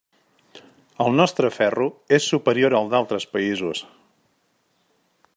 El nostre ferro és superior al d'altres països.